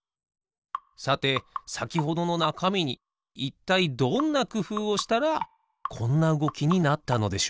さてさきほどのなかみにいったいどんなくふうをしたらこんなうごきになったのでしょう？